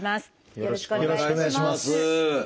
よろしくお願いします。